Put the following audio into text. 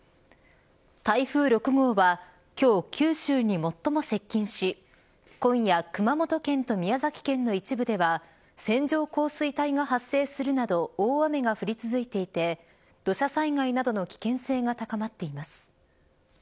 台風６号は今日九州に最も接近し今夜、熊本県と宮崎県の一部では線状降水帯が発生するなど大雨が降り続いていて土砂災害などの危険性が高まっています。